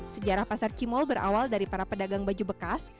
sejarah pasar cimol berawal dari para pedagang baju bekas